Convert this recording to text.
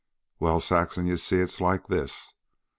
"Well, Saxon, you see, it's like this.